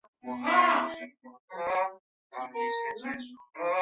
大蓝闪蝶的色彩是一种防卫机制。